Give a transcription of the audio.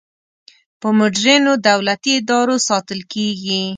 په مدرنو دولتي ادارو ساتل کیږي.